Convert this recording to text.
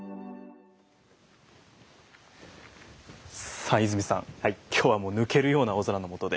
さあ伊住さん今日はもう抜けるような青空のもとで。